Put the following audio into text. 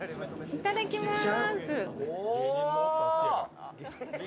いただきます。